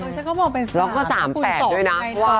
ตัวฉันก็มองเป็น๓แล้วก็๓๘ด้วยนะ